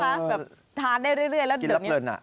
แบบทานได้เรื่อยแล้วเดิมอย่างนี้กินรับเบิร์น